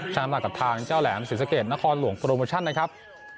ช่างน้ำหนักกับทางเจ้าแหลมศรีสะเกตนครหลวงโปรโมชั่นนะครับ